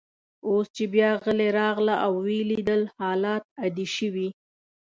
اوس چي بیا ځلې راغله او ویې لیدل، حالات عادي شوي.